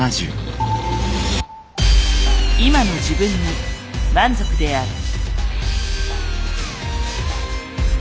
今の自分に満足である。